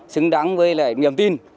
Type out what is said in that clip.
xứng đáng với lại niềm tin